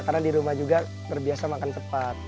karena di rumah juga terbiasa makan cepat